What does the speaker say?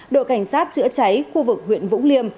đội cảnh sát chữa cháy khu vực huyện vũng liêm